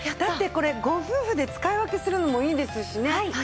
だってこれご夫婦で使い分けするのもいいですしね。